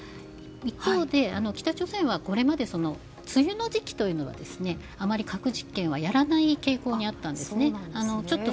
一方で、北朝鮮はこれまで梅雨の時期にはあまり核実験をやらない傾向にあったんですね。